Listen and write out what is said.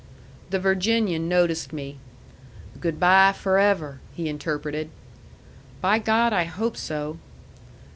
The Virginian noticed me. "Good by forever!" he interpreted. "By God, I hope so!"